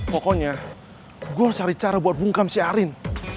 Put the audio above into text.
pokoknya gue harus cari cara buat bungkam si arin